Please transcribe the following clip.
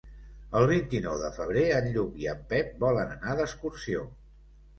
El vint-i-nou de febrer en Lluc i en Pep volen anar d'excursió.